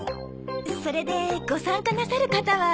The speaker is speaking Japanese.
それでご参加なさる方は。